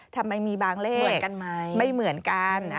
ทำไมมีบางเลขไม่เหมือนกัน